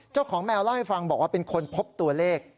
เจ้าของแมวเล่าให้ฟังบอกว่าเป็นคนพบตัวเลข